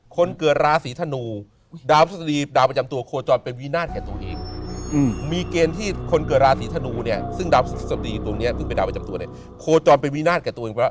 คนเกิดราศีธนูดาวพฤศดีดาวประจำตัวโคจรเป็นวินาทแค่ตัวเอง